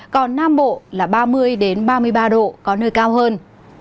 còn nam bộ là ba mươi ba mươi ba độ có nơi cao hơn